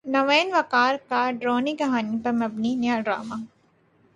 نوین وقار کا ڈرانی کہانی پر مبنی نیا ڈراما